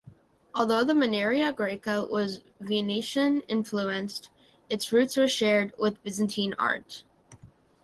Although the maniera greca was Venetian influenced its roots are shared with Byzantine art.